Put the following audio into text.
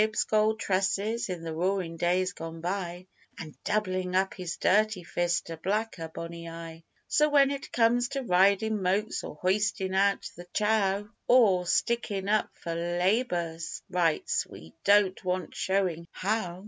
's gold tresses in the roarin' days gone by, An' doublin' up his dirty fist to black her bonny eye; So when it comes to ridin' mokes, or hoistin' out the Chow, Or stickin' up for labour's rights, we don't want showin' how.